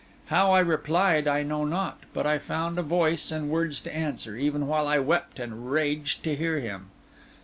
How I replied I know not; but I found a voice and words to answer, even while I wept and raged to hear him.